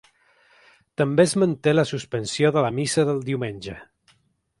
També es manté la suspensió de la missa del diumenge.